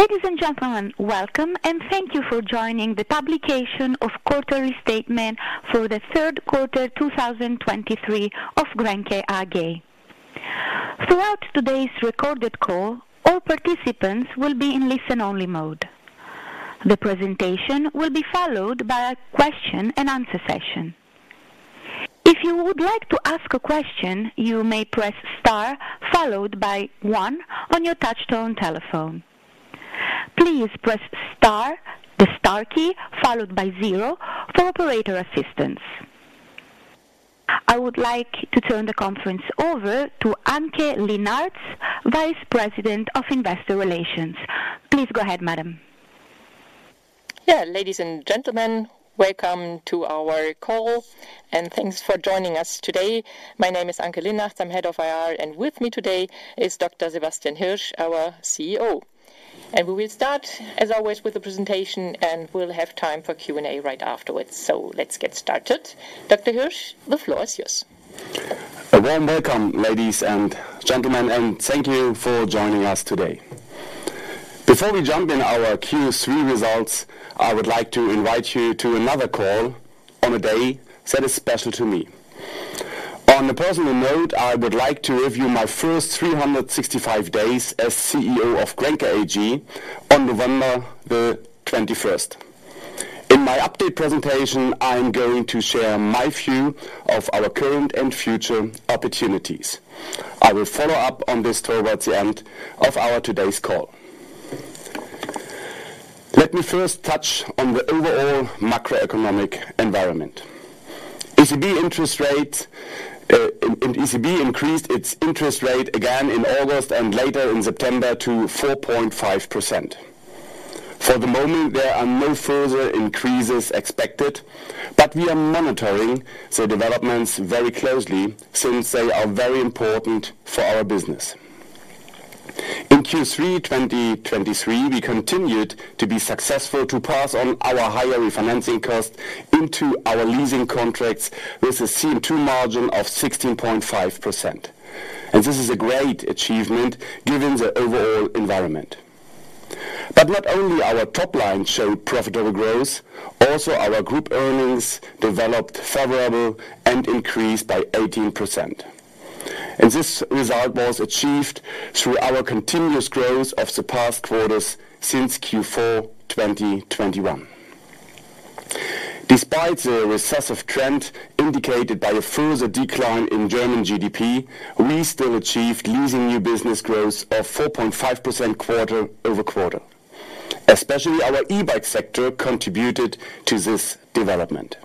Ladies and gentlemen, welcome, and thank you for joining the publication of quarterly statement for the third quarter, 2023 of grenke AG. Throughout today's recorded call, all participants will be in listen-only mode. The presentation will be followed by a question and answer session. If you would like to ask a question, you may press star, followed by One on your touchtone telephone. Please press star, the star key, followed by zero for operator assistance. I would like to turn the conference over to Anke Linnartz, Vice President of Investor Relations. Please go ahead, madam. Yeah, ladies and gentlemen, welcome to our call, and thanks for joining us today. My name is Anke Linnartz, I'm Head of IR, and with me today is Dr. Sebastian Hirsch, our CEO. We will start, as always, with the presentation, and we'll have time for Q&A right afterwards. Let's get started. Dr. Hirsch, the floor is yours. A warm welcome, ladies and gentlemen, and thank you for joining us today. Before we jump in our Q3 results, I would like to invite you to another call on a day that is special to me. On a personal note, I would like to review my first 365 days as CEO of grenke AG on November 21. In my update presentation, I'm going to share my view of our current and future opportunities. I will follow up on this towards the end of our today's call. Let me first touch on the overall macroeconomic environment. ECB interest rates, and ECB increased its interest rate again in August and later in September to 4.5%. For the moment, there are no further increases expected, but we are monitoring the developments very closely since they are very important for our business. In Q3 2023, we continued to be successful to pass on our higher refinancing costs into our leasing contracts, with a CM2 margin of 16.5%. And this is a great achievement, given the overall environment. But not only our top line showed profitable growth, also our group earnings developed favorable and increased by 18%, and this result was achieved through our continuous growth of the past quarters since Q4 2021. Despite the recessive trend indicated by a further decline in German GDP, we still achieved leasing new business growth of 4.5% quarter-over-quarter. Especially our e-bike sector contributed to this development.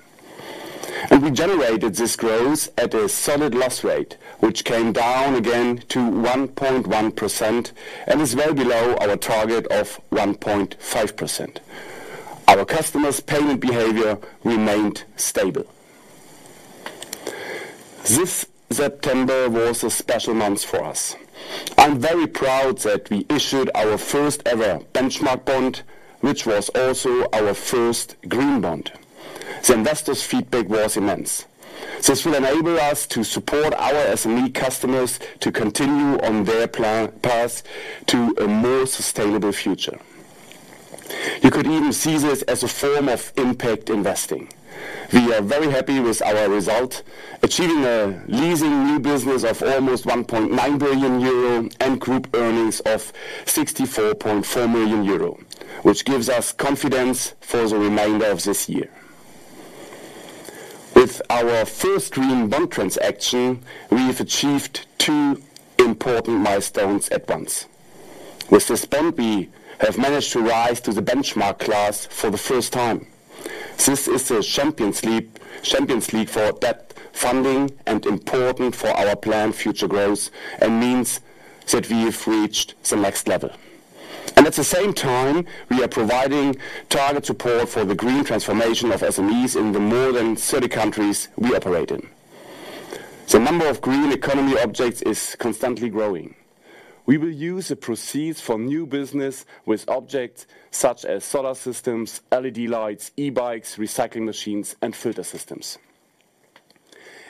And we generated this growth at a solid loss rate, which came down again to 1.1% and is well below our target of 1.5%. Our customers' payment behavior remained stable. This September was a special month for us. I'm very proud that we issued our first-ever benchmark bond, which was also our first Green Bond. The investors' feedback was immense. This will enable us to support our SME customers to continue on their path to a more sustainable future. You could even see this as a form of impact investing. We are very happy with our result, achieving a leasing new business of almost 1.9 billion euro and group earnings of 64.4 million euro, which gives us confidence for the remainder of this year. With our first Green Bond transaction, we've achieved two important milestones at once. With this bond, we have managed to rise to the benchmark class for the first time. This is the Champions League, Champions League for debt funding and important for our planned future growth and means that we have reached the next level. At the same time, we are providing target support for the green transformation of SMEs in the more than 30 countries we operate in. The number of green economy objects is constantly growing. We will use the proceeds from new business with objects such as solar systems, LED lights, e-bikes, recycling machines, and filter systems.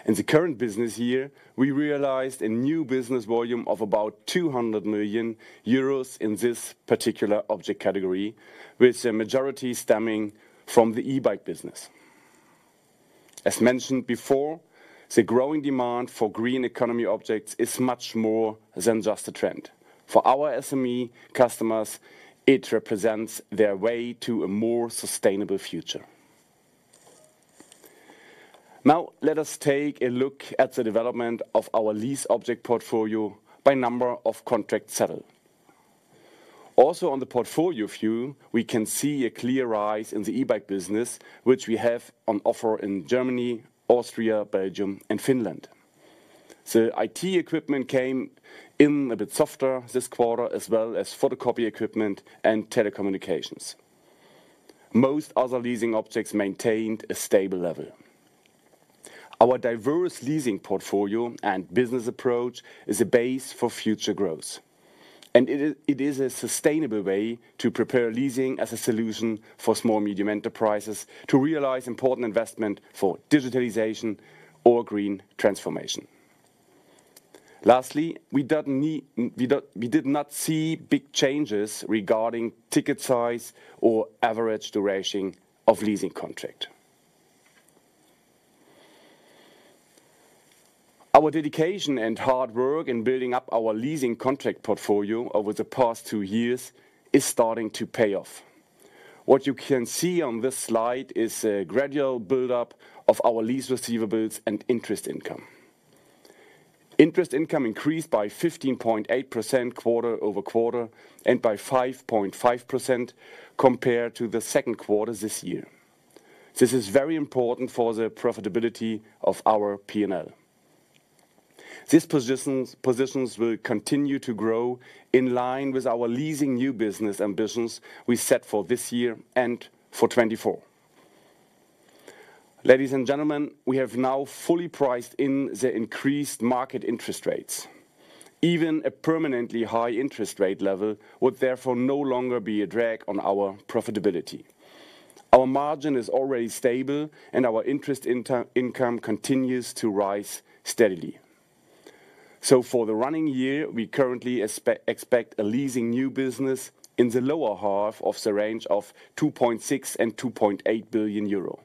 In the current business year, we realized a new business volume of about 200 million euros in this particular object category, with the majority stemming from the e-bike business. As mentioned before, the growing demand for green economy objects is much more than just a trend. For our SME customers, it represents their way to a more sustainable future. Now, let us take a look at the development of our lease object portfolio by number of contracts settled. Also, on the portfolio view, we can see a clear rise in the e-bike business, which we have on offer in Germany, Austria, Belgium, and Finland. The IT equipment came in a bit softer this quarter, as well as photocopy equipment and telecommunications. Most other leasing objects maintained a stable level. Our diverse leasing portfolio and business approach is a base for future growth, and it is, it is a sustainable way to prepare leasing as a solution for small and medium enterprises to realize important investment for digitalization or green transformation. Lastly, we did not see big changes regarding ticket size or average duration of leasing contract. Our dedication and hard work in building up our leasing contract portfolio over the past two years is starting to pay off. What you can see on this slide is a gradual build-up of our lease receivables and interest income. Interest income increased by 15.8% quarter-over-quarter, and by 5.5% compared to the second quarter this year. This is very important for the profitability of our P&L. These positions will continue to grow in line with our leasing new business ambitions we set for this year and for 2024. Ladies and gentlemen, we have now fully priced in the increased market interest rates. Even a permanently high interest rate level would therefore no longer be a drag on our profitability. Our margin is already stable, and our interest income continues to rise steadily. So for the running year, we currently expect a leasing new business in the lower half of the range of 2.6 billion-2.8 billion euro,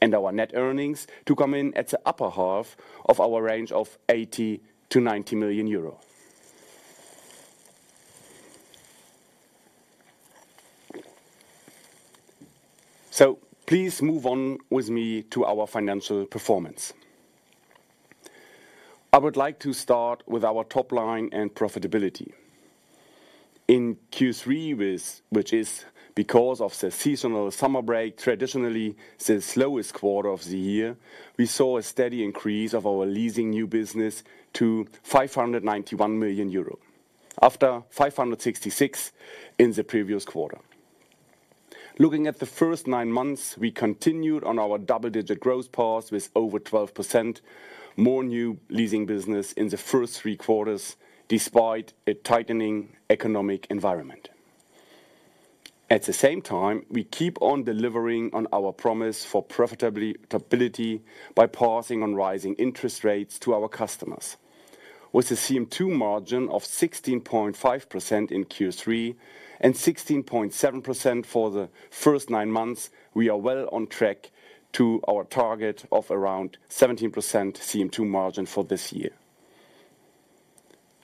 and our net earnings to come in at the upper half of our range of 80 million-90 million euro. So please move on with me to our financial performance. I would like to start with our top line and profitability. In Q3, which is because of the seasonal summer break, traditionally the slowest quarter of the year, we saw a steady increase of our leasing new business to 591 million euro, after 566 million in the previous quarter. Looking at the first nine months, we continued on our double-digit growth path with over 12% more new leasing business in the first three quarters, despite a tightening economic environment. At the same time, we keep on delivering on our promise for profitability, by passing on rising interest rates to our customers. With a CM2 margin of 16.5% in Q3 and 16.7% for the first nine months, we are well on track to our target of around 17% CM2 margin for this year.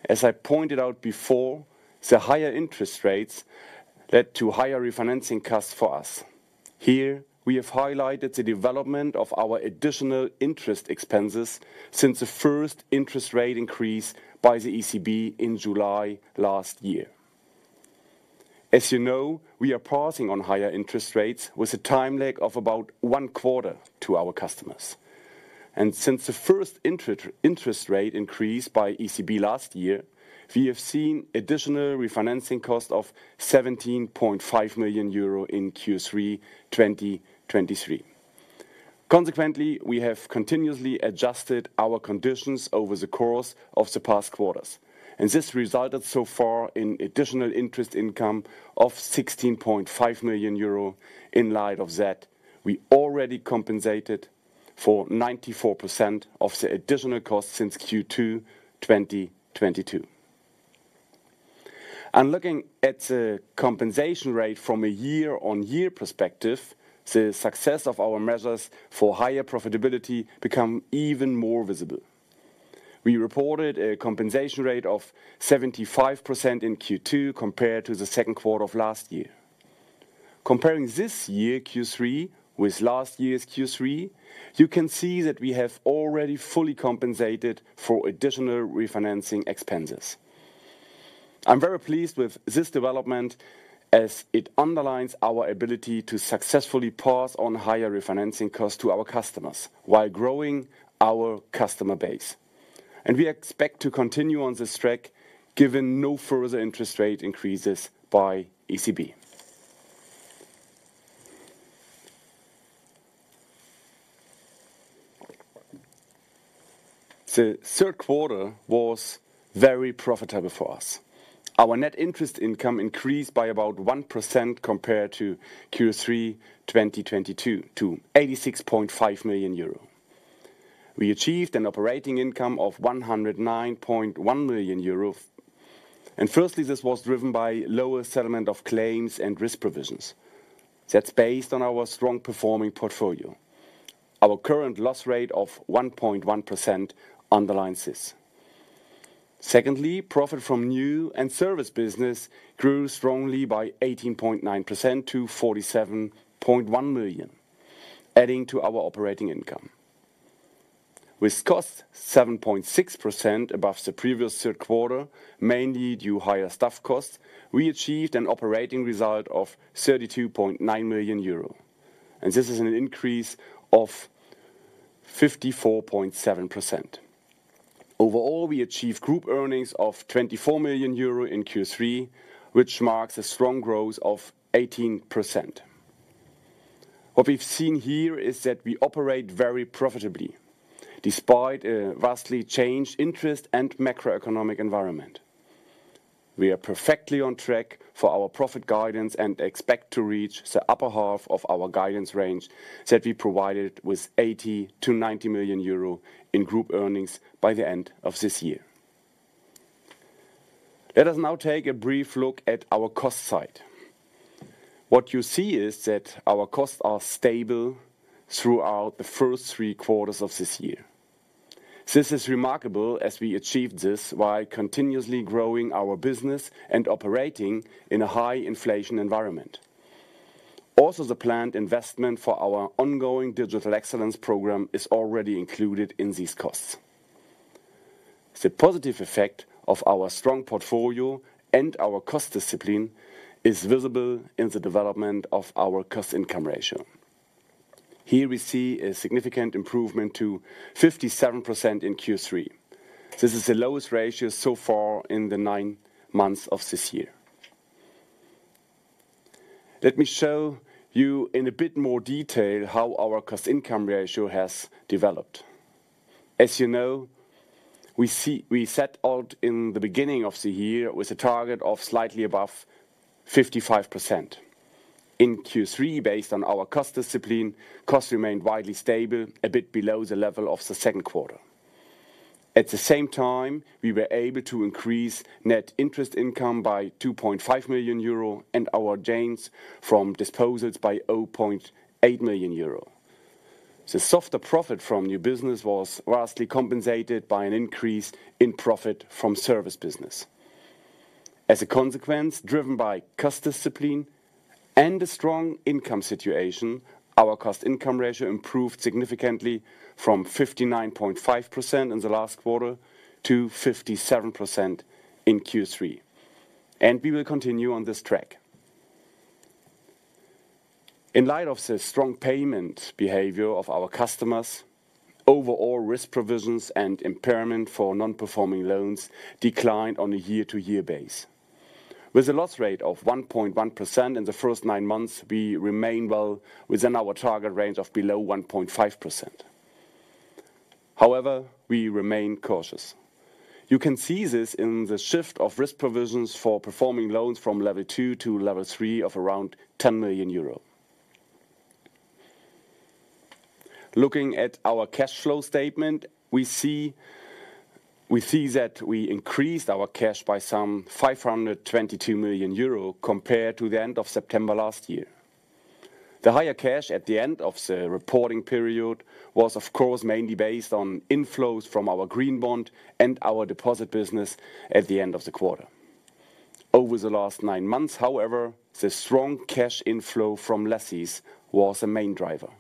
As I pointed out before, the higher interest rates led to higher refinancing costs for us. Here, we have highlighted the development of our additional interest expenses since the first interest rate increase by the ECB in July last year. As you know, we are passing on higher interest rates with a time lag of about one quarter to our customers. And since the first interest rate increase by ECB last year, we have seen additional refinancing cost of 17.5 million euro in Q3 2023. Consequently, we have continuously adjusted our conditions over the course of the past quarters, and this resulted so far in additional interest income of 16.5 million euro. In light of that, we already compensated for 94% of the additional costs since Q2 2022. And looking at the compensation rate from a year-on-year perspective, the success of our measures for higher profitability become even more visible. We reported a compensation rate of 75% in Q2 compared to the second quarter of last year. Comparing this year, Q3, with last year's Q3, you can see that we have already fully compensated for additional refinancing expenses. I'm very pleased with this development, as it underlines our ability to successfully pass on higher refinancing costs to our customers while growing our customer base. And we expect to continue on this track, given no further interest rate increases by ECB. The third quarter was very profitable for us. Our net interest income increased by about 1% compared to Q3 2022, to 86.5 million euro. We achieved an operating income of 109.1 million euro. And firstly, this was driven by lower settlement of claims and risk provisions. That's based on our strong performing portfolio. Our current loss rate of 1.1% underlines this. Secondly, profit from new and service business grew strongly by 18.9% to 47.1 million, adding to our operating income. With costs 7.6% above the previous third quarter, mainly due to higher staff costs, we achieved an operating result of 32.9 million euro, and this is an increase of 54.7%. Overall, we achieved group earnings of 24 million euro in Q3, which marks a strong growth of 18%. What we've seen here is that we operate very profitably, despite a vastly changed interest and macroeconomic environment. We are perfectly on track for our profit guidance and expect to reach the upper half of our guidance range that we provided with 80 million-90 million euro in group earnings by the end of this year. Let us now take a brief look at our cost side. What you see is that our costs are stable throughout the first three quarters of this year. This is remarkable, as we achieved this while continuously growing our business and operating in a high inflation environment. Also, the planned investment for our ongoing Digital Excellence Program is already included in these costs. The positive effect of our strong portfolio and our cost discipline is visible in the development of our cost-income ratio. Here we see a significant improvement to 57% in Q3. This is the lowest ratio so far in the nine months of this year. Let me show you in a bit more detail how our cost-income ratio has developed. As you know, we set out in the beginning of the year with a target of slightly above 55%. In Q3, based on our cost discipline, costs remained widely stable, a bit below the level of the second quarter. At the same time, we were able to increase net interest income by 2.5 million euro, and our gains from disposals by 0.8 million euro. The softer profit from new business was lastly compensated by an increase in profit from service business. As a consequence, driven by cost discipline and a strong income situation, our cost-income ratio improved significantly from 59.5% in the last quarter to 57% in Q3, and we will continue on this track. In light of the strong payment behavior of our customers, overall risk provisions and impairment for non-performing loans declined on a year-to-year basis. With a loss rate of 1.1% in the first nine months, we remain well within our target range of below 1.5%. However, we remain cautious. You can see this in the shift of risk provisions for performing loans from Level 2 to Level 3 of around 10 million euro. Looking at our cash flow statement, we see that we increased our cash by some 522 million euro compared to the end of September last year. The higher cash at the end of the reporting period was, of course, mainly based on inflows from our Green Bond and our deposit business at the end of the quarter. Over the last nine months, however, the strong cash inflow from leases was the main driver.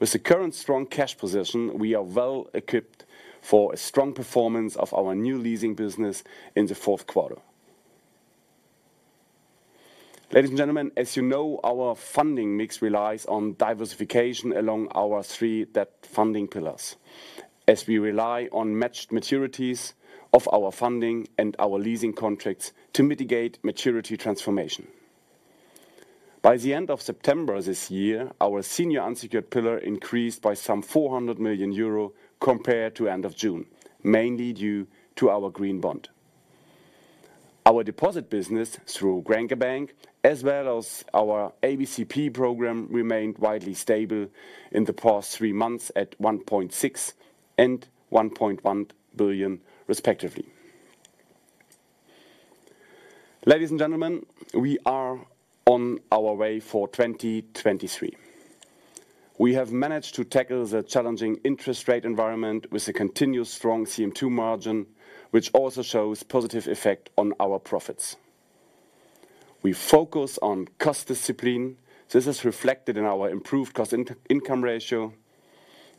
With the current strong cash position, we are well equipped for a strong performance of our new leasing business in the fourth quarter. Ladies and gentlemen, as you know, our funding mix relies on diversification along our three debt funding pillars, as we rely on matched maturities of our funding and our leasing contracts to mitigate maturity transformation. By the end of September this year, our senior unsecured pillar increased by some 400 million euro compared to end of June, mainly due to our Green Bond. Our deposit business through Grenke Bank, as well as our ABCP program, remained widely stable in the past three months at 1.6 billion and 1.1 billion, respectively. Ladies and gentlemen, we are on our way for 2023. We have managed to tackle the challenging interest rate environment with a continuous strong CM2 margin, which also shows positive effect on our profits. We focus on cost discipline. This is reflected in our improved cost-income ratio,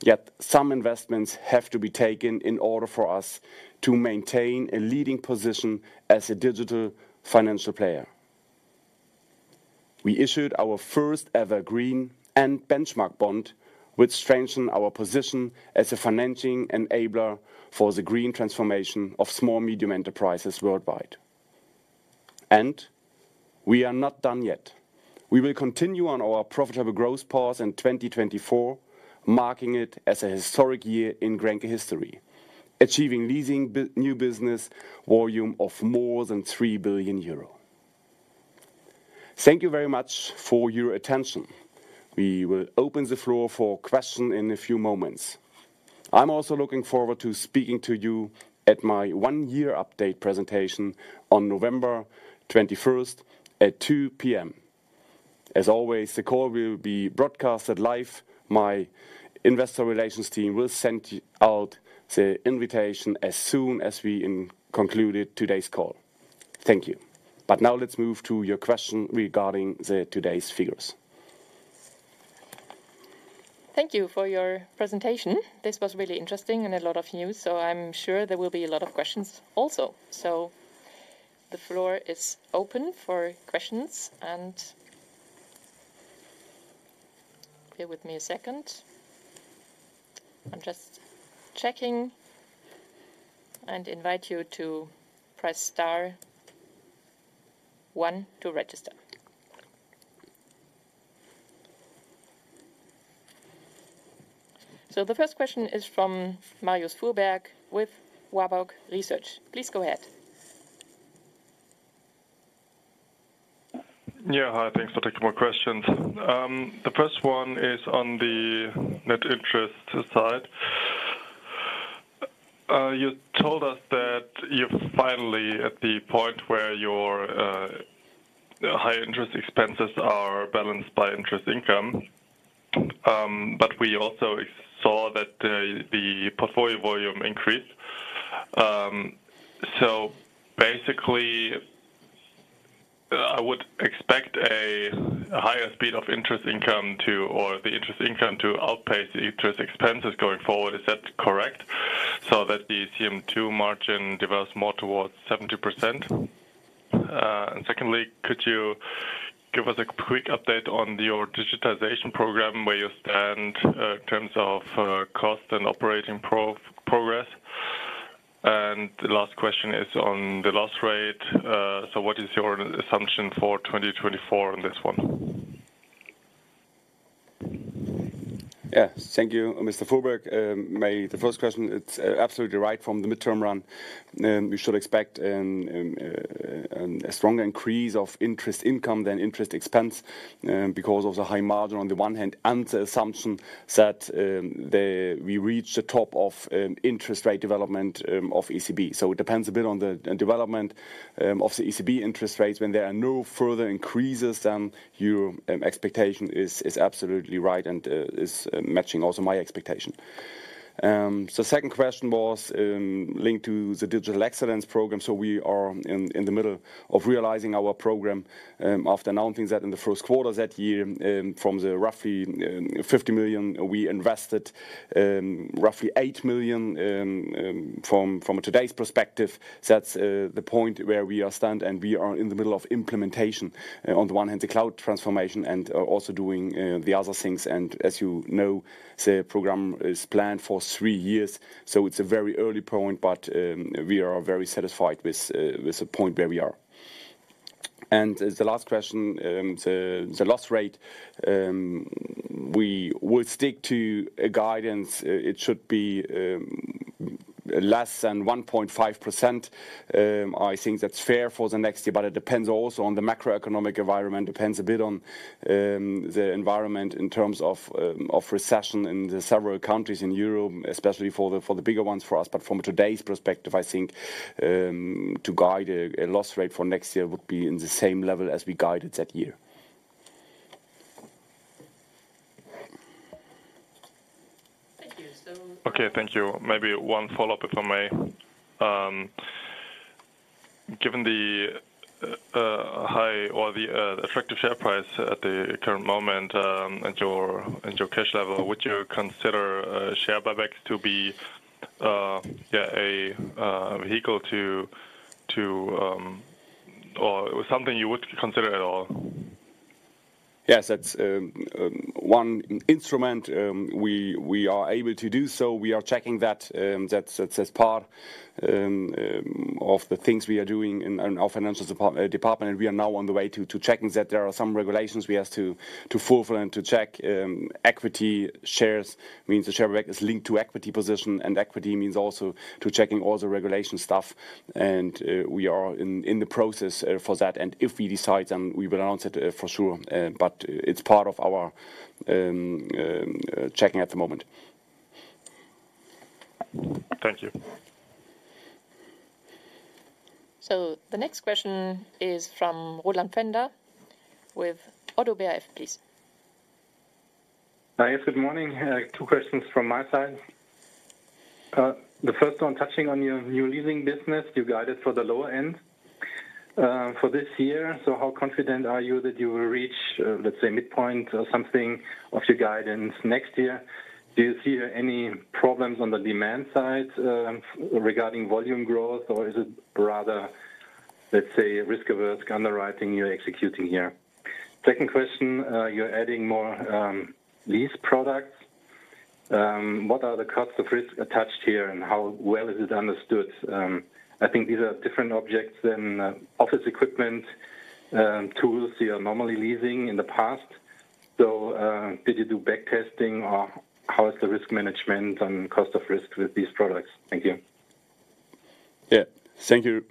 yet some investments have to be taken in order for us to maintain a leading position as a digital financial player. We issued our first-ever green and benchmark bond, which strengthened our position as a financing enabler for the green transformation of small medium enterprises worldwide. We are not done yet. We will continue on our profitable growth path in 2024, marking it as a historic year in Grenke history, achieving leasing new business volume of more than 3 billion euro. Thank you very much for your attention. We will open the floor for question in a few moments. I'm also looking forward to speaking to you at my one-year update presentation on November twenty-first at 2:00 P.M. As always, the call will be broadcasted live. My investor relations team will send out the invitation as soon as we have concluded today's call. Thank you. But now let's move to your question regarding today's figures. Thank you for your presentation. This was really interesting and a lot of news, so I'm sure there will be a lot of questions also. So the floor is open for questions and bear with me a second. I'm just checking, and invite you to press star one to register. So the first question is from Marius Fuhrberg, with Warburg Research. Please go ahead. Yeah, hi. Thanks for taking my questions. The first one is on the net interest side. You told us that you're finally at the point where your high interest expenses are balanced by interest income. But we also saw that the portfolio volume increased. So basically, I would expect a higher speed of interest income, or the interest income to outpace the interest expenses going forward. Is that correct? So that the CM2 margin develops more towards 70%. And secondly, could you give us a quick update on your digitization program, where you stand in terms of cost and operating progress? And the last question is on the loss rate. So what is your assumption for 2024 on this one? Yeah. Thank you, Mr. Fuhrberg. My first question, it's absolutely right from the midterm run, we should expect a strong increase of interest income than interest expense, because of the high margin on the one hand, and the assumption that the we reach the top of interest rate development of ECB. So it depends a bit on the development of the ECB interest rates. When there are no further increases, then your expectation is absolutely right and is matching also my expectation. So second question was linked to the digital excellence program. So we are in the middle of realizing our program after announcing that in the first quarter that year, from the roughly 50 million, we invested roughly 8 million. From today's perspective, that's the point where we are stand, and we are in the middle of implementation. On the one hand, the cloud transformation and also doing the other things. As you know, the program is planned for three years, so it's a very early point, but we are very satisfied with the point where we are. The last question, the loss rate, we will stick to a guidance. It should be less than 1.5%. I think that's fair for the next year, but it depends also on the macroeconomic environment, depends a bit on the environment in terms of recession in the several countries in Europe, especially for the bigger ones for us. From today's perspective, I think, to guide a loss rate for next year would be in the same level as we guided that year. Thank you, Okay, thank you. Maybe one follow-up, if I may. Given the high or the attractive share price at the current moment, and your cash level, would you consider share buybacks to be, yeah, a vehicle to, or something you would consider at all? Yes, that's one instrument we are able to do so. We are checking that, that's part of the things we are doing in our financial department, and we are now on the way to checking that. There are some regulations we have to fulfill and to check equity shares. Means the share buyback is linked to equity position, and equity means also to checking all the regulation stuff, and we are in the process for that. And if we decide, then we will announce it for sure, but it's part of our checking at the moment. Thank you. The next question is from Roland Pfänder with ODDO BHF, please. Hi, yes, good morning. Two questions from my side. The first one, touching on your new leasing business. You guided for the lower end, for this year. So how confident are you that you will reach, let's say, midpoint or something of your guidance next year? Do you see any problems on the demand side, regarding volume growth, or is it rather, let's say, risk-averse underwriting you're executing here? Second question, you're adding more, lease products. What are the costs of risk attached here, and how well is it understood? I think these are different objects than, office equipment, tools you are normally leasing in the past. So, did you do backtesting, or how is the risk management and cost of risk with these products? Thank you. Yeah. Thank you.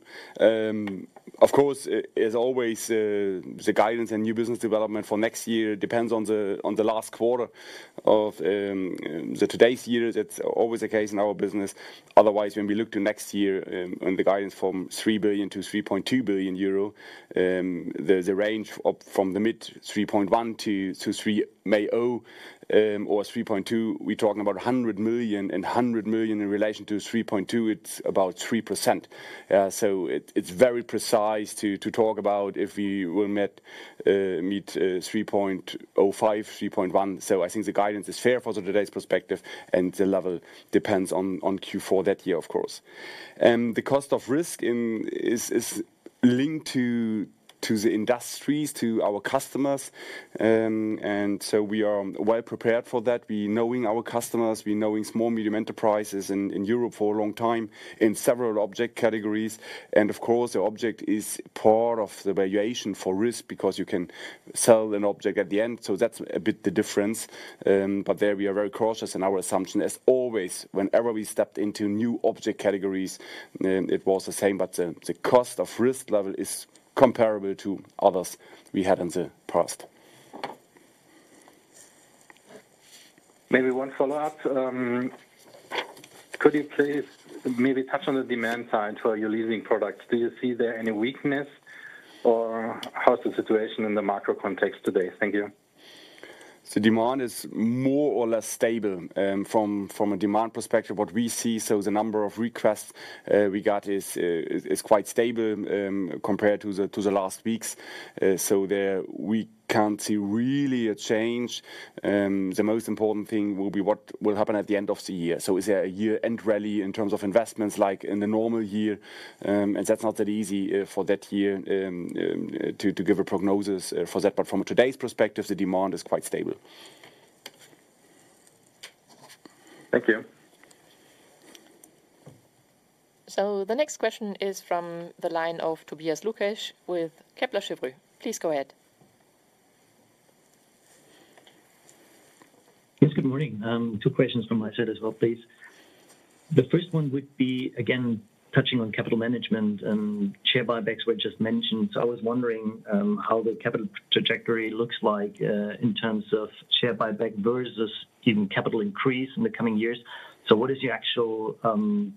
Of course, as always, the guidance and new business development for next year depends on the last quarter of the today's year. That's always the case in our business. Otherwise, when we look to next year, and the guidance from 3 billion-3.2 billion euro, there's a range from mid-3.1 to 3.10 or 3.2. We're talking about 100 million, and 100 million in relation to 3.2, it's about 3%. So it's very precise to talk about if we will meet 3.05, 3.1. So I think the guidance is fair for today's perspective, and the level depends on Q4 that year, of course. The cost of risk is linked to the industries, to our customers, and so we are well prepared for that. We knowing our customers, we knowing small, medium enterprises in Europe for a long time in several object categories. Of course, the object is part of the valuation for risk, because you can sell an object at the end, so that's a bit the difference. But there we are very cautious in our assumption. As always, whenever we stepped into new object categories, it was the same, but the cost of risk level is comparable to others we had in the past. Maybe one follow-up. Could you please maybe touch on the demand side for your leasing products? Do you see there any weakness, or how's the situation in the macro context today? Thank you. So demand is more or less stable. From a demand perspective, what we see, so the number of requests we got is quite stable, compared to the last weeks. So there we can't see really a change. The most important thing will be what will happen at the end of the year. So is there a year-end rally in terms of investments like in a normal year? And that's not that easy for that year to give a prognosis for that. But from today's perspective, the demand is quite stable. Thank you. The next question is from the line of Tobias Lukesch with Kepler Cheuvreux. Please go ahead. Yes, good morning. Two questions from my side as well, please. The first one would be, again, touching on capital management, and share buybacks were just mentioned. So I was wondering, how the capital trajectory looks like, in terms of share buyback versus even capital increase in the coming years. So what is your actual,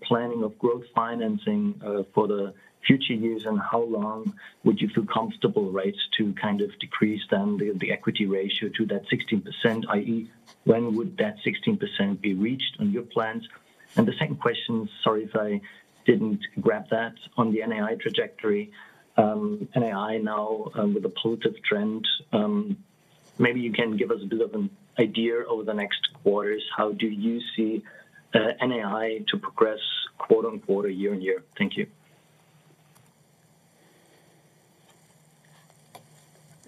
planning of growth financing, for the future years? And how long would you feel comfortable, right, to kind of decrease down the, the equity ratio to that 16%, i.e., when would that 16% be reached on your plans? And the second question, sorry if I didn't grab that, on the NAI trajectory. NAI now, with a positive trend, maybe you can give us a bit of an idea over the next quarters, how do you see, NAI to progress, quote, unquote, "year-on-year"? Thank you.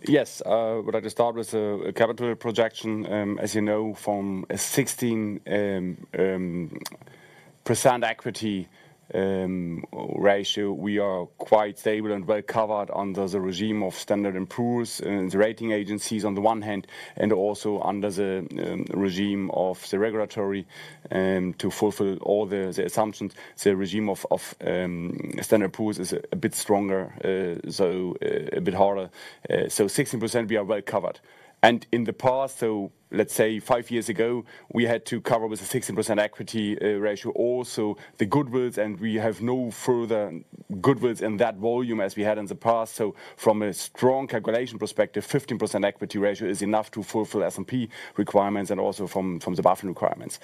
Yes, well, I just start with a capital projection. As you know, from a 16% equity ratio, we are quite stable and well-covered under the regime of Standard & Poor's, the rating agencies on the one hand, and also under the regime of the regulatory to fulfill all the assumptions. The regime of Standard & Poor's is a bit stronger, so a bit harder. So 16%, we are well covered. And in the past, so let's say five years ago, we had to cover with a 16% equity ratio, also the goodwill, and we have no further goodwill in that volume as we had in the past. So from a strong calculation perspective, 15% equity ratio is enough to fulfill S&P requirements and also from the BaFin requirements.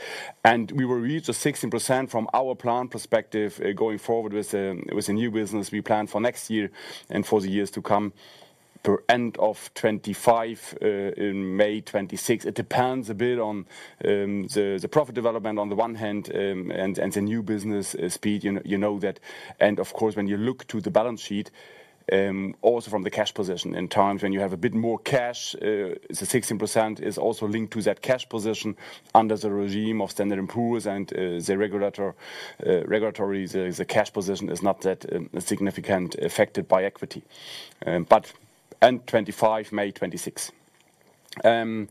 And we will reach the 16% from our plan perspective, going forward with the new business we plan for next year and for the years to come, by end of 2025, in May 2026. It depends a bit on the profit development on the one hand, and the new business speed. You know, you know that. And of course, when you look to the balance sheet, also from the cash position, in times when you have a bit more cash, the 16% is also linked to that cash position under the regime of Standard & Poor's and the regulatory, the cash position is not that significant affected by equity. But end 2025, May 2026. And,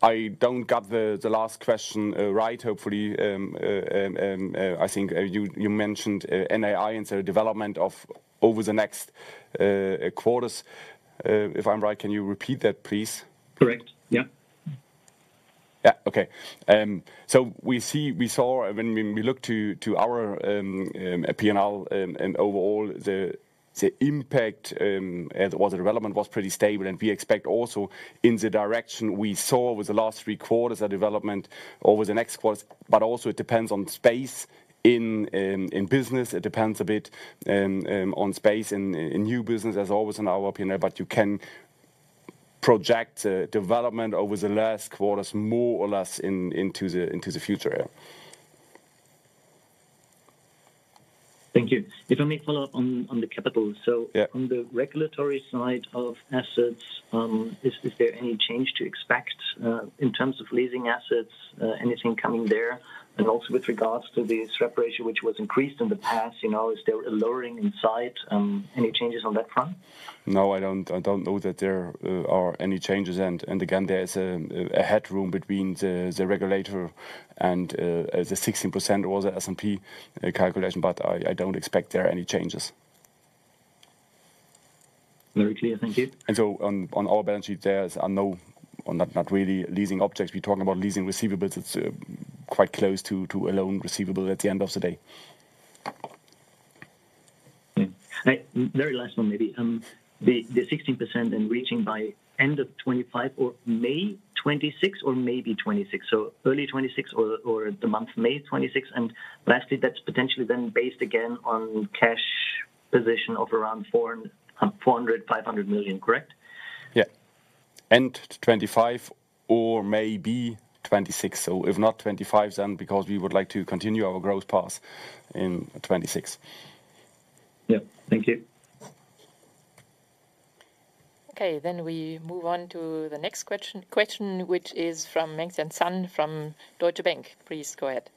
I don't got the last question right, hopefully. I think you mentioned NAI and the development of over the next quarters. If I'm right, can you repeat that, please? Correct. Yeah. Yeah. Okay. So we saw when we look to our P&L, and overall, the impact or the development was pretty stable, and we expect also in the direction we saw with the last three quarters, the development over the next quarters. But also it depends on pace in business, it depends a bit on pace in new business, as always in our opinion, but you can project the development over the last quarters, more or less into the future. Yeah. Thank you. If I may follow up on the capital. Yeah. So on the regulatory side of assets, is there any change to expect in terms of leasing assets? Anything coming there? And also, with regards to the swap ratio, which was increased in the past, you know, is there a lowering in sight, any changes on that front? No, I don't know that there are any changes. And again, there's a headroom between the regulator and the 16% or the S&P calculation, but I don't expect there are any changes. Very clear. Thank you. And so, on our balance sheet, there are no, or not, not really, leasing objects. We're talking about leasing receivables. It's quite close to a loan receivable at the end of the day. Very last one, maybe. The 16% and reaching by end of 2025 or May 2026, or maybe 2026, so early 2026 or the month May 2026. And lastly, that's potentially then based again on cash position of around 400-500 million, correct? Yeah. End 2025 or maybe 2026. So if not 2025, then because we would like to continue our growth path in 2026. Yeah. Thank you. Okay, then we move on to the next question, which is from Mengxian Sun from Deutsche Bank. Please go ahead.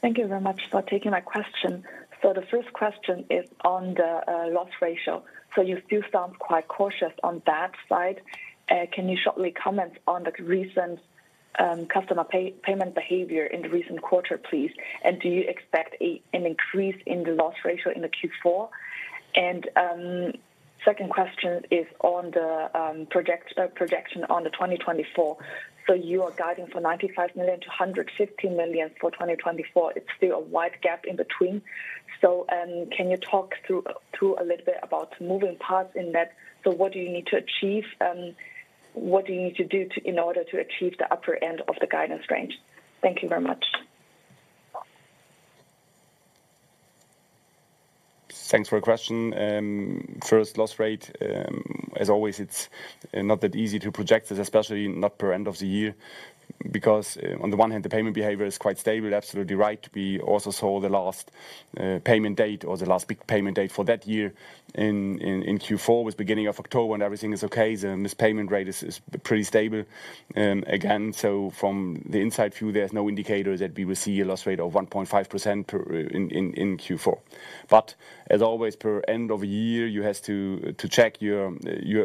Thank you very much for taking my question. The first question is on the loss ratio. You do sound quite cautious on that side. Can you shortly comment on the recent customer payment behavior in the recent quarter, please? Do you expect an increase in the loss ratio in the Q4? Second question is on the projection on the 2024. You are guiding for 95 million-150 million for 2024. It's still a wide gap in between. Can you talk through a little bit about moving parts in that? What do you need to achieve, what do you need to do to, in order to achieve the upper end of the guidance range? Thank you very much. Thanks for your question. First, loss rate, as always, it's not that easy to project it, especially not per end of the year, because on the one hand, the payment behavior is quite stable. Absolutely right. We also saw the last payment date or the last big payment date for that year in Q4 was beginning of October, and everything is okay. The missed payment rate is pretty stable. Again, so from the inside view, there's no indicator that we will see a loss rate of 1.5% in Q4. But as always, per end of year, you have to check your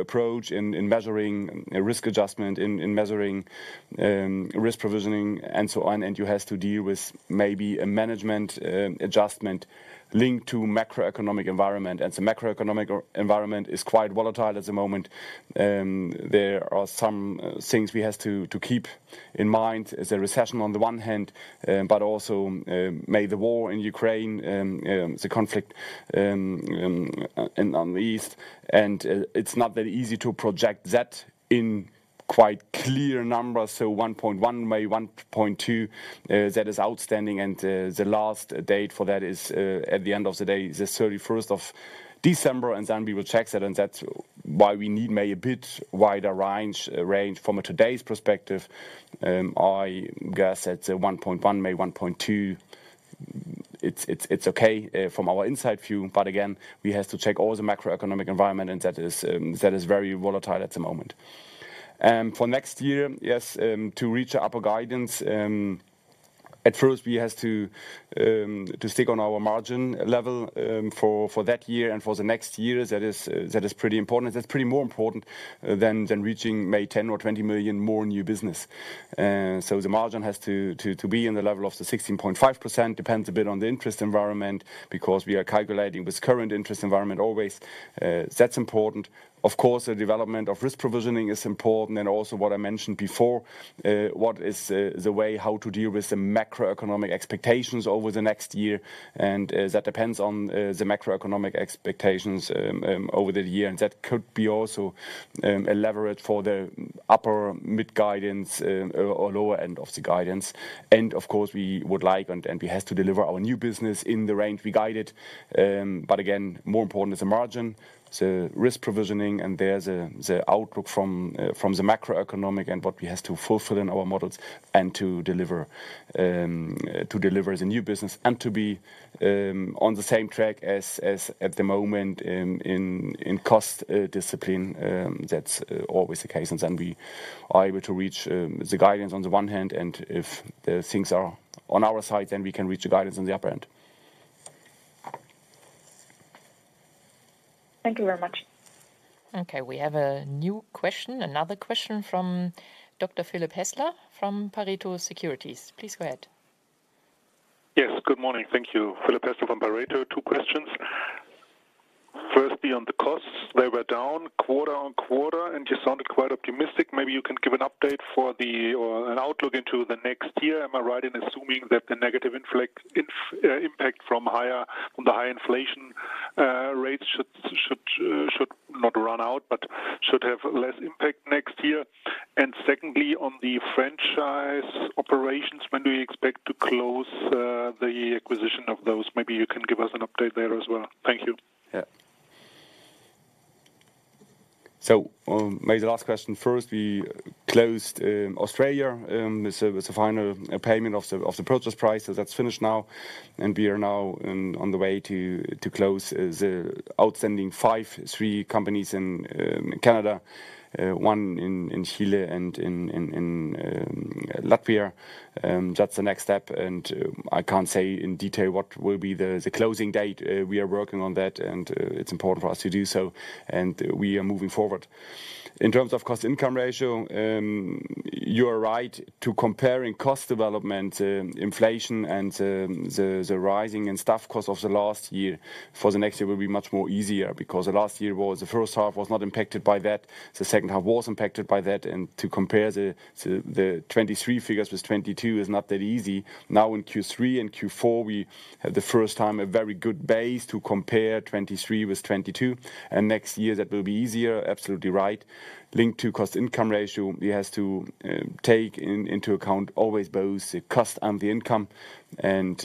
approach in measuring a risk adjustment, in measuring risk provisioning, and so on. And you have to deal with maybe a management adjustment linked to macroeconomic environment. And the macroeconomic environment is quite volatile at the moment. There are some things we have to keep in mind. There's a recession on the one hand, but also maybe the war in Ukraine, the conflict in the east, and it's not that easy to project that in quite clear numbers. So 1.1, maybe 1.2, that is outstanding, and the last date for that is at the end of the day the 31st of December, and then we will check that, and that's why we need maybe a bit wider range. From today's perspective, I guess that's a 1.1, maybe 1.2. It's okay from our inside view, but again, we have to check all the macroeconomic environment, and that is very volatile at the moment. For next year, yes, to reach the upper guidance, at first, we have to stick on our margin level for that year and for the next years. That is pretty important. That's pretty more important than reaching maybe 10 or 20 million more new business. So the margin has to be in the level of the 16.5%, depends a bit on the interest environment, because we are calculating this current interest environment always. That's important. Of course, the development of risk provisioning is important, and also what I mentioned before, what is, the way how to deal with the macroeconomic expectations over the next year? And, that depends on, the macroeconomic expectations, over the year, and that could be also, a leverage for the upper mid-guidance, or, lower end of the guidance. And of course, we would like and, we have to deliver our new business in the range we guided. But again, more important is the margin, the risk provisioning, and there's a, the outlook from, from the macroeconomic and what we have to fulfill in our models, and to deliver, to deliver the new business and to be, on the same track as, at the moment in, cost, discipline. That's always the case, and then we are able to reach the guidance on the one hand, and if the things are on our side, then we can reach the guidance on the upper end. Thank you very much. Okay, we have a new question, another question from Dr. Philipp Haessler from Pareto Securities. Please go ahead. Yes, good morning. Thank you. Philipp Hässler from Pareto. Two questions: First, beyond the costs, they were down quarter-over-quarter, and you sounded quite optimistic. Maybe you can give an update or an outlook into the next year. Am I right in assuming that the negative impact from the high inflation rates should not run out, but should have less impact next year? And secondly, on the franchise operations, when do you expect to close the acquisition of those? Maybe you can give us an update there as well. Thank you. Yeah. So, maybe the last question first. We closed Australia, so with the final payment of the purchase price. So that's finished now, and we are now on the way to close the outstanding five, three companies in Canada, one in Latvia. That's the next step, and I can't say in detail what will be the closing date. We are working on that, and it's important for us to do so, and we are moving forward. In terms of cost-income ratio, you are right to comparing cost development, inflation, and the rising and staff cost of the last year. For the next year will be much more easier because the last year was. The first half was not impacted by that. The second half was impacted by that, and to compare the 2023 figures with 2022 is not that easy. Now, in Q3 and Q4, we had the first time a very good base to compare 2023 with 2022, and next year that will be easier, absolutely right. Linked to cost-income ratio, we have to take into account always both the cost and the income, and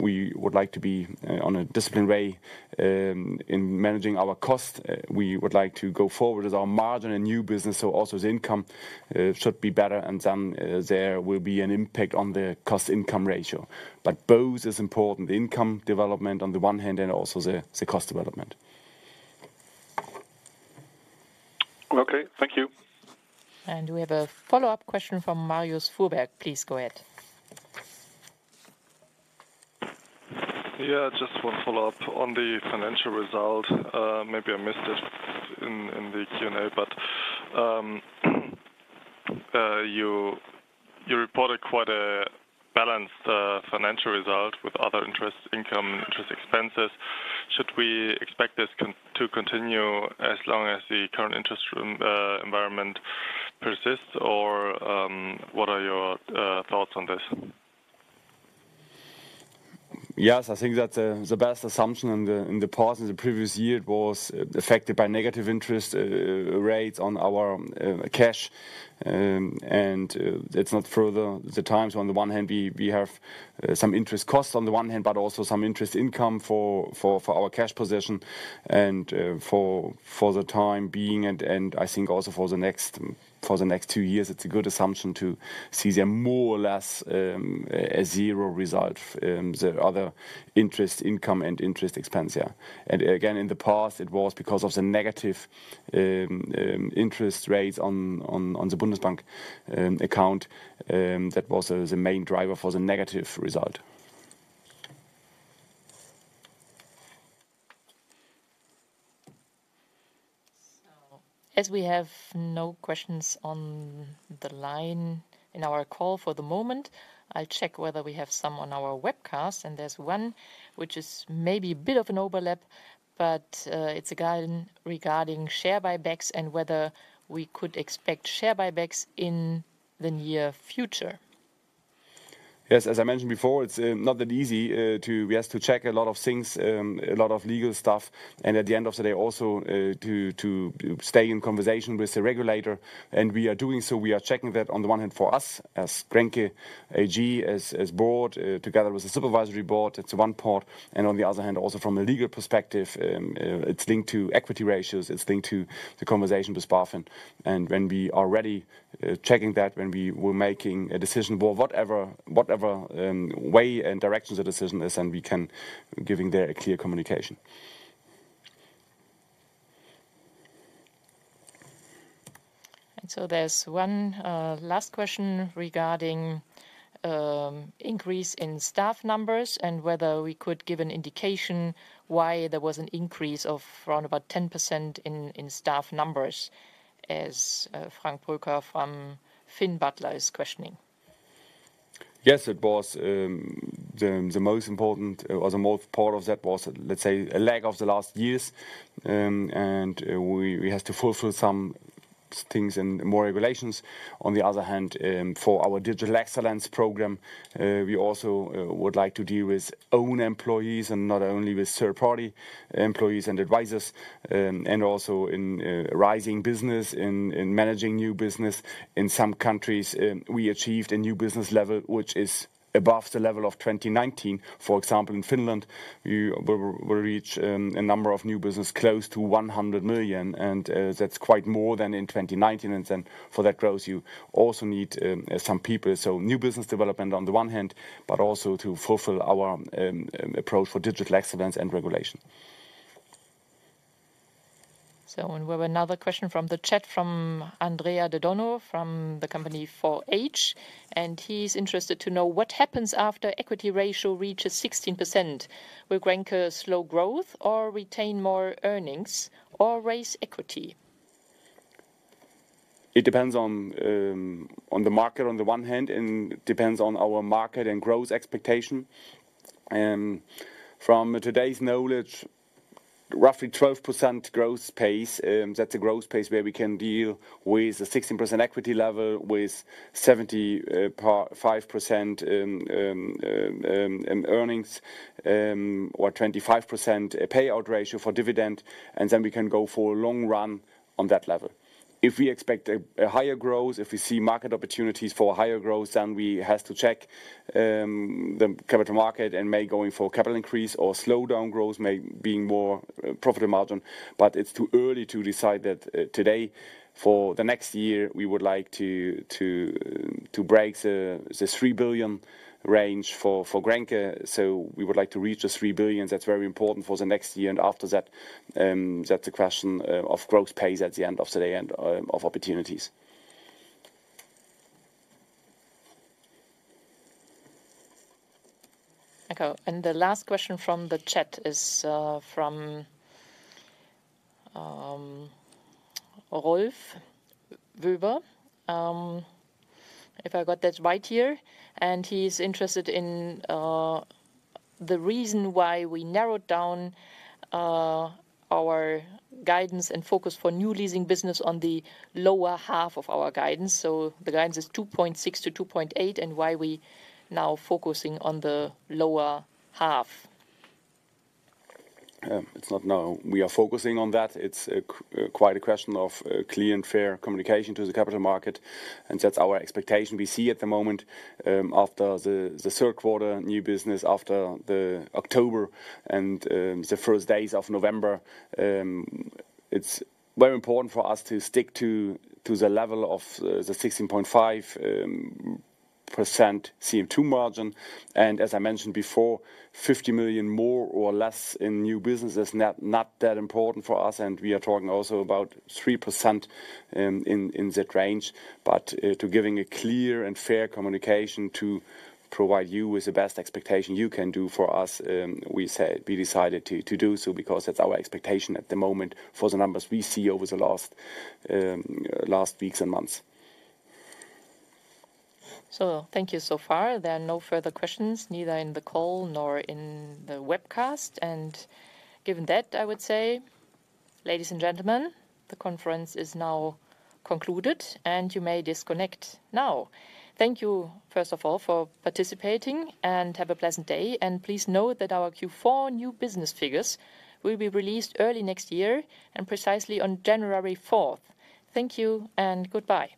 we would like to be on a disciplined way in managing our cost. We would like to go forward with our margin and new business, so also the income should be better, and then there will be an impact on the cost-income ratio. But both is important, the income development on the one hand, and also the cost development. Okay, thank you. We have a follow-up question from Marius Fuhrberg. Please go ahead. Yeah, just one follow-up on the financial result. Maybe I missed it in the Q&A, but, You, you reported quite a balanced financial result with other interest income, interest expenses. Should we expect this to continue as long as the current interest rate environment persists? Or, what are your thoughts on this? Yes, I think that the best assumption in the past, in the previous year, was affected by negative interest rates on our cash. And that's not further the times. On the one hand, we have some interest costs on the one hand, but also some interest income for our cash position and for the time being, and I think also for the next two years, it's a good assumption to see they're more or less a zero result, the other interest income and interest expense, yeah. And again, in the past, it was because of the negative interest rates on the Bundesbank account that was the main driver for the negative result. So as we have no questions on the line in our call for the moment, I'll check whether we have some on our webcast. There's one, which is maybe a bit of an overlap, but it's a guide regarding share buybacks and whether we could expect share buybacks in the near future. Yes, as I mentioned before, it's not that easy to. We have to check a lot of things, a lot of legal stuff, and at the end of the day, also, to stay in conversation with the regulator. And we are doing so. We are checking that on the one hand, for us, as grenke AG, as board, together with the supervisory board, it's one part, and on the other hand, also from a legal perspective, it's linked to equity ratios, it's linked to the conversation with BaFin. And when we are ready, checking that, when we were making a decision, well, whatever, way and direction the decision is, then we can giving there a clear communication. And so there's one last question regarding increase in staff numbers and whether we could give an indication why there was an increase of around about 10% in staff numbers, as Frank Broeker from Finn Butler is questioning. Yes, it was the most important or the most part of that was, let's say, a lag of the last years. And we have to fulfill some things and more regulations. On the other hand, for our digital excellence program, we also would like to deal with own employees and not only with third-party employees and advisors, and also in rising business, in managing new business. In some countries, we achieved a new business level, which is above the level of 2019. For example, in Finland, we reach a number of new business close to 100 million, and that's quite more than in 2019. And then for that growth, you also need some people. So new business development on the one hand, but also to fulfill our approach for digital excellence and regulation. We have another question from the chat, from Andrea De Donno, from the company Forage, and he's interested to know: What happens after equity ratio reaches 16%? Will Grenke slow growth or retain more earnings or raise equity? It depends on the market, on the one hand, and depends on our market and growth expectation. From today's knowledge, roughly 12% growth pace, that's a growth pace where we can deal with a 16% equity level, with 75% earnings, or 25% payout ratio for dividend, and then we can go for a long run on that level. If we expect a higher growth, if we see market opportunities for higher growth, then we have to check the capital market and may going for capital increase or slow down growth, may being more profit margin. But it's too early to decide that today. For the next year, we would like to break the 3 billion range for grenke, so we would like to reach the 3 billion. That's very important for the next year. And after that, that's a question of growth pace at the end of the day and of opportunities. Okay, and the last question from the chat is, from Rolf Weber, if I got that right here. And he's interested in the reason why we narrowed down our guidance and focus for new leasing business on the lower half of our guidance. So the guidance is 2.6-2.8, and why we now focusing on the lower half? It's not now we are focusing on that. It's quite a question of clear and fair communication to the capital market, and that's our expectation. We see at the moment, after the third quarter new business, after October and the first days of November, it's very important for us to stick to the level of the 16.5% CM2 margin. And as I mentioned before, 50 million, more or less, in new business is not that important for us, and we are talking also about 3% in that range. But to give a clear and fair communication to provide you with the best expectation you can do for us, we decided to do so because that's our expectation at the moment for the numbers we see over the last weeks and months. Thank you so far. There are no further questions, neither in the call nor in the webcast. Given that, I would say, ladies and gentlemen, the conference is now concluded, and you may disconnect now. Thank you, first of all, for participating, and have a pleasant day. Please note that our Q4 new business figures will be released early next year and precisely on January fourth. Thank you and goodbye.